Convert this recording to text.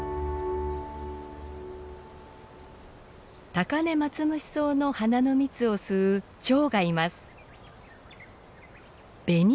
タカネマツムシソウの花の蜜を吸うチョウがいます。